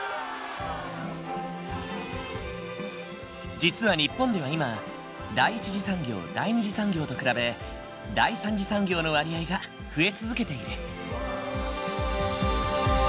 実は日本では今第一次産業第二次産業と比べ第三次産業の割合が増え続けている。